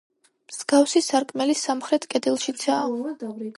მსგავსი სარკმელი სამხრეთ კედელშიცაა.